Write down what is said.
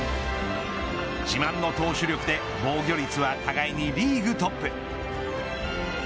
自慢の投手力で防御率は互いにリーグトップ。